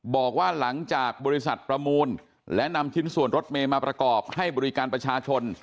บอกว่าหลังจากบริษัทประมูลและนำชิ้นส่วนรถเมย์มาประกอบให้บริการประชาชน